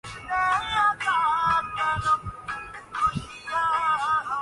جہاں میں زیرتعلیم ہوں